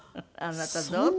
あなたどうする？